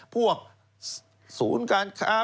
ผู้สูญการค้า